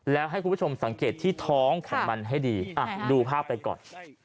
แล้วให้คุณผู้ชมสังเกตที่ท้องของมันให้ดีดูภาพไปก่อน